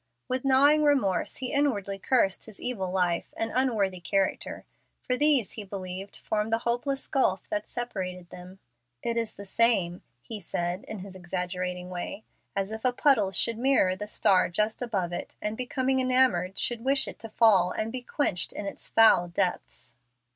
With gnawing remorse he inwardly cursed his evil life and unworthy character, for these he believed formed the hopeless gulf that separated them. "It is the same," he said, in his exaggerating way, "as if a puddle should mirror the star just above it, and, becoming enamored, should wish it to fall and be quenched in its foul depths."